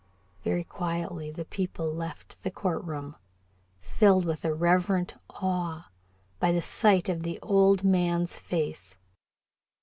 Very quietly the people left the court room, filled with a reverent awe by the sight of the old man's face.